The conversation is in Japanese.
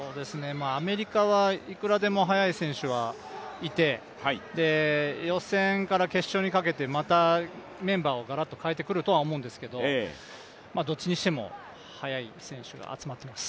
アメリカは、いくらでも速い選手はいて、予選から決勝にかけてまたメンバーをがらっとかえてくるとは思うんですけどどっちにしても速い選手が集まっています。